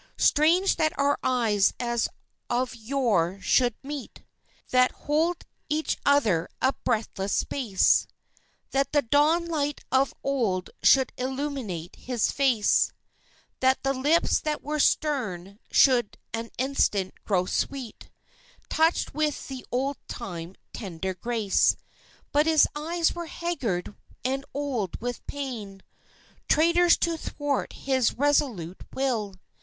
Strange that our eyes as of yore should meet And hold each other a breathless space, That the dawn light of old should illumine his face, That the lips that were stern should an instant grow sweet, Touched with the old time tender grace. But his eyes were haggard and old with pain (Traitors to thwart his resolute will!)